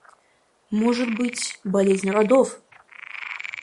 Может быть, болезнь родов.